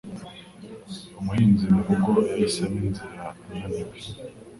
Umuhinzi murugo yahisemo inzira ananiwe,